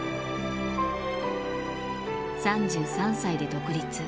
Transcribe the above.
３３歳で独立。